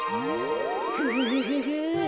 フフフフフ。